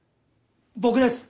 僕です！